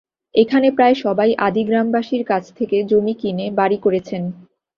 এখানে প্রায় সবাই আদি গ্রামবাসীর কাছ থেকে জমি কিনে বাড়ি করেছেন।